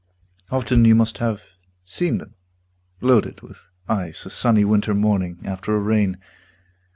Often you must have seen them Loaded with ice a sunny winter morning After a rain.